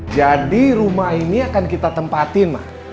jadi rumah ini akan kita tempatin ma